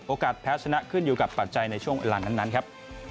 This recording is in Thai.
แพ้ชนะขึ้นอยู่กับปัจจัยในช่วงเวลานั้นครับ